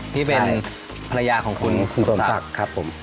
ที่เป็นภรรยาของคุณคุณสมศักดิ์ครับผม